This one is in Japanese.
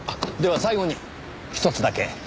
では最後にひとつだけ。